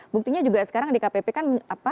buktinya juga sekarang di kpp kan